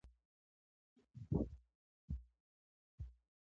افغانستان تر هغو نه ابادیږي، ترڅو پریکړې سنجول شوې نه وي.